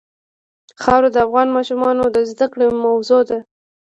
خاوره د افغان ماشومانو د زده کړې موضوع ده.